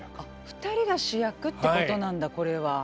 ２人が主役ってことなんだこれは。